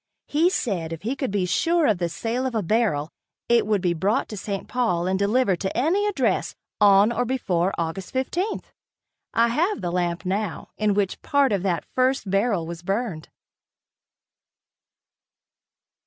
He said if he could be sure of the sale of a barrel, it would be brought to St. Paul and delivered to any address on or before Aug. 15. I have the lamp now, in which part of that first barrel was burned.